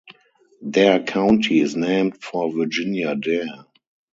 Dare County is named for Virginia Dare.